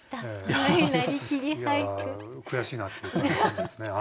悔しいなっていう感じですね。